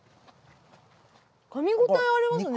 かみ応えありますね。